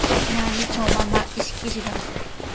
Naanitraw mamaa ishkishqa.